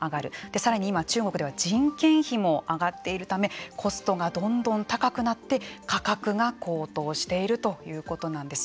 さらには中国では人件費も上がっているためコストがどんどん高くなって価格が高騰しているということなんです。